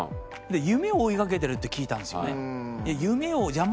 夢を追いかけてるって聞いたんですよね。